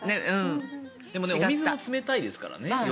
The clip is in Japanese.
でもお水も冷たいですからね。